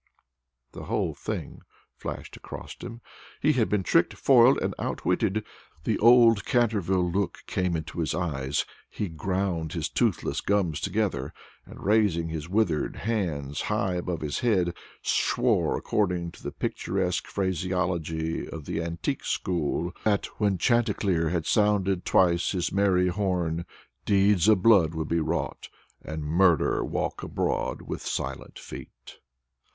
The whole thing flashed across him. He had been tricked, foiled, and outwitted! The old Canterville look came into his eyes; he ground his toothless gums together; and, raising his withered hands high above his head, swore according to the picturesque phraseology of the antique school, that, when Chanticleer had sounded twice his merry horn, deeds of blood would be wrought, and murder walk abroad with silent feet.